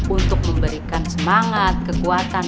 untuk memberikan semangat kekuatan